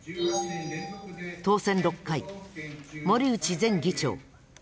当選６回、森内前議長。